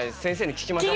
聞きましょ。